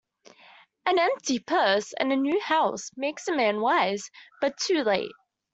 An empty purse, and a new house, make a man wise, but too late.